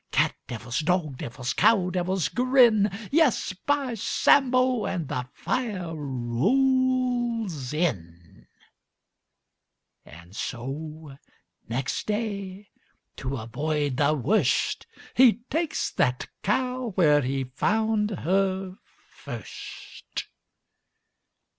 Cat devils, dog devils, cow devils grin — Yes, by Sambo, And the fire rolls in. 870911 100 VACHEL LINDSAY And so, next day, to avoid the worst — He ta'kes that cow Where he found her first.